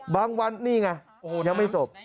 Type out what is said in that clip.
วันนี่ไงยังไม่จบ